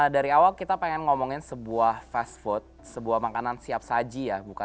dari awal kita pengen ngomongin sebuah fast food sebuah makanan siap saji ya